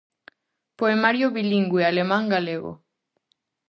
Poemario bilingüe alemán - galego.